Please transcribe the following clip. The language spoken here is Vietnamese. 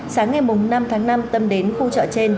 sáng ngày năm tháng năm tâm đến khu chợ trên